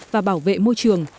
và bảo vệ môi trường